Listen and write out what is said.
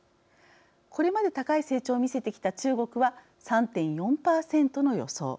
これまで高い成長を見せてきた中国は３．４％の予想。